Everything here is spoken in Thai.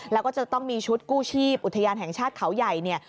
แล้วก็จะต้องมีชุดกู้ชีพอุทยานแห่งชาติเขาใหญ่เนี่ย